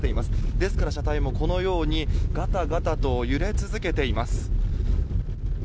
ですから車体もガタガタと揺れ続けています。